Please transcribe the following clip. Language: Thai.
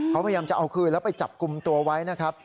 เขาพยายามจะเอาคืนแล้วไปจับกลุ่มตัวไว้นะครับ